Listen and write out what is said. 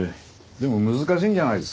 でも難しいんじゃないですか？